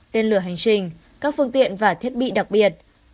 tên lửa hành trình các phương tiện và thiết bị đặc biệt